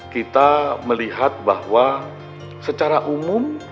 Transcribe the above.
kita melihat bahwa secara umum